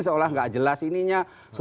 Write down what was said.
seolah olah tidak jelas ininya